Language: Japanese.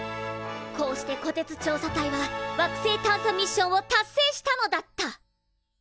こうしてこてつ調査隊は惑星探査ミッションを達成したのだった！